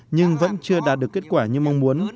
nhưng vẫn chưa đạt được kết quả như mong muốn